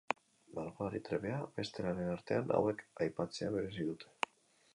Margolari trebea, beste lanen artean hauek aipatzea merezi dute.